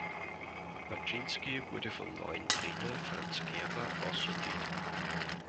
Patschinski wurde vom neuen Trainer Franz Gerber aussortiert.